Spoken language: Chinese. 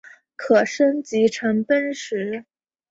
可升级成奔石。